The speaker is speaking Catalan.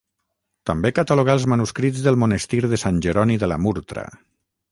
També catalogà els manuscrits del monestir de Sant Jeroni de la Murtra.